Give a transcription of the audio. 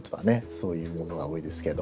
そういうものが多いですけど。